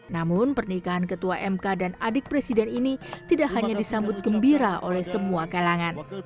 namun pernikahan ketua mk dan adik presiden ini tidak hanya disambut gembira oleh semua kalangan